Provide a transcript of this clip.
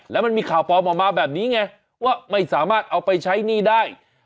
แล้วมันมีข่าวปลอมออกมาแบบนี้ไงว่าไม่สามารถเอาไปใช้หนี้ได้